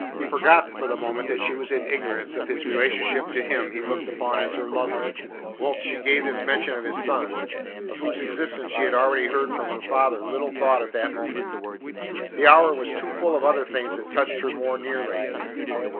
He forgot for the moment that she was in ignorance of his relationship to him he looked upon as her lover, whilst she gave this mention of his son, of whose existence she had already heard from her; father, little thought at that moment. The hour was too full of other things that touched her more nearly.